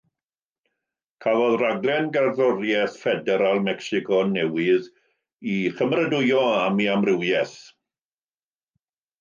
Cafodd Rhaglen Gerddoriaeth Ffederal Mecsico Newydd ei chymeradwyo am ei hamrywiaeth.